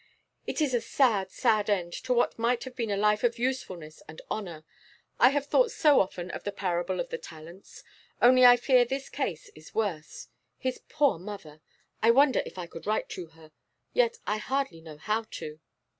'It is a sad, sad end to what might have been a life of usefulness and honour. I have thought so often of the parable of the talents; only I fear this case is worse. His poor mother! I wonder if I could write to her! Yet I hardly know how to.